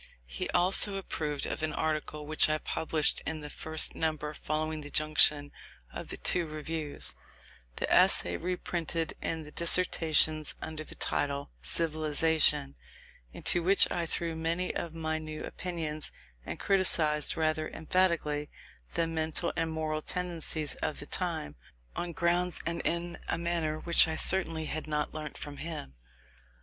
He also approved of an article which I published in the first number following the junction of the two reviews, the essay reprinted in the Dissertations, under the title "Civilization"; into which I threw many of my new opinions, and criticised rather emphatically the mental and moral tendencies of the time, on grounds and in a manner which I certainly had not learnt from him.